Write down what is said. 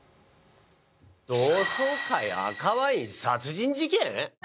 同窓会赤ワイン殺人事件？